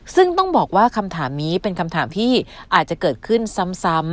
ซึ่งต้องบอกว่าคำถามนี้เป็นคำถามที่อาจจะเกิดขึ้นซ้ำ